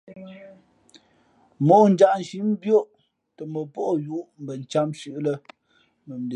Mǒʼ njanshǐ mbéʼ ó tα mα pά o yūʼ mbα cām sʉ̄ʼ lᾱ.